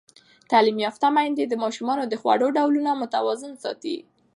تعلیم یافته میندې د ماشومانو د خوړو ډولونه متوازن ساتي.